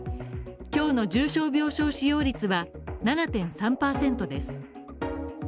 今日の重症病床使用率は７．３％です。